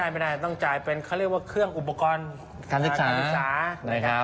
ไม่ได้ต้องจ่ายเป็นเครื่องอุปกรณ์การศึกษา